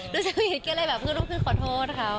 รู้สึกผิดค่ะรู้สึกผิดแกเลยแบบคือขอโทษครับ